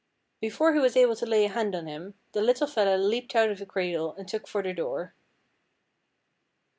Before he was able to lay a hand on him, the little fella leaped out of the cradle and took for the door.